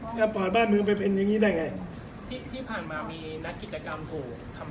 จะเปิดบ้านเมืองไปเป็นอย่างงี้ได้ไงที่ผ่านมามีนักกิจกรรมถูกทำ